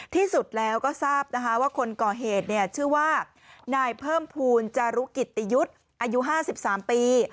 ที่สุดแล้วก็ทราบนะคะว่าคนก่อเหตุชื่อว่านายเพิ่มภูมิจารุกิตติยุทธ์อายุ๕๓ปี